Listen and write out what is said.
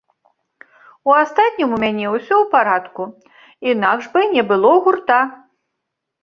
У астатнім, у мяне ўсе ў парадку, інакш бы не было гурта.